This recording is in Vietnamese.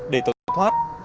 để tỏa thoát